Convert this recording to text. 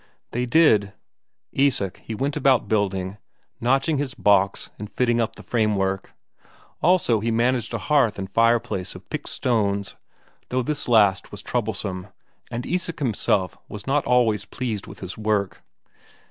They did. Isak he went about building, notching his baulks and fitting up his framework; also he managed a hearth and fireplace of picked stones, though this last was troublesome, and Isak himself was not always pleased with his work.